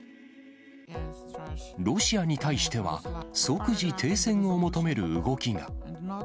ロシアに対しては、即時停戦を求める動きが。